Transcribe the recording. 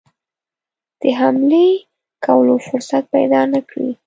د حملې کولو فرصت پیدا نه کړي.